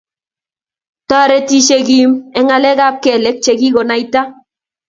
toretishei Kim eng ngalekab keleek chegigonaita